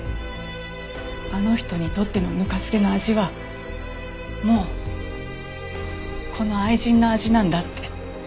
あの人にとってのぬか漬けの味はもうこの愛人の味なんだって。